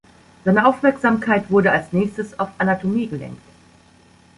Seine Aufmerksamkeit wurde als Nächstes auf Anatomie gelenkt.